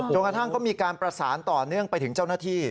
กระทั่งเขามีการประสานต่อเนื่องไปถึงเจ้าหน้าที่